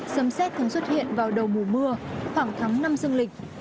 sầm xét thường xuất hiện vào đầu mùa mưa khoảng tháng năm dương lịch